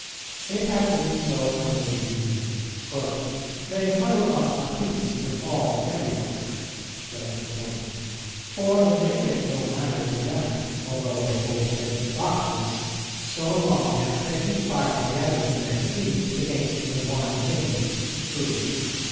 It had been so from the beginning: "They huddle up a peace with all everywhere," says Tertullian, "for it maketh no matter to them, although they hold different doctrines, so long as they conspire together in their siege against the one thing, Truth."